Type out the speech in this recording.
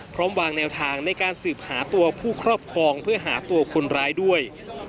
พร้อมวางแนวทางในการสืบหาตัวผู้ครอบครองเพื่อหาตัวคนร้ายด้วย